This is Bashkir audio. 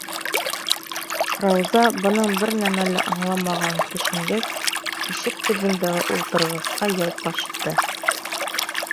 Рауза, бының бер нәмә лә аңламағанын төшөнгәс, ишек төбөндәге ултырғысҡа ялпашты.